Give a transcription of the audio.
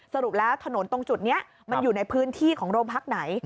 สรุปแล้วถนนตรงจุดนี้มันอยู่ในพื้นที่ของโรงพักไหน